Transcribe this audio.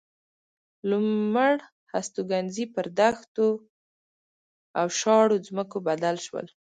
لومړ هستوګنځي پر دښتو او شاړو ځمکو بدل شول.